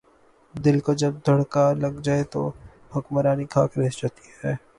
دل کو جب دھڑکا لگ جائے تو حکمرانی خاک رہ جاتی ہے۔